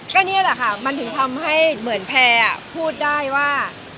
ก็นี่แหละค่ะมันถึงทำให้เหมือนแพร่พูดได้ว่า